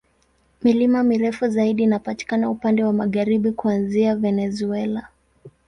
Milima mirefu zaidi inapatikana upande wa magharibi, kuanzia Venezuela.